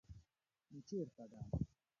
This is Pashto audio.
_نو چېرته ده؟